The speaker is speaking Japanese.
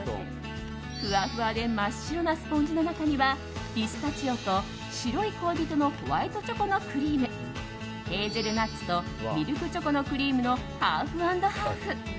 ふわふわで真っ白なスポンジの中にはピスタチオと白い恋人のホワイトチョコのクリームヘーゼルナッツとミルクチョコのクリームのハーフアンドハーフ。